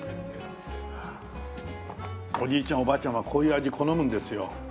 おじいちゃんおばあちゃんはこういう味好むんですよ。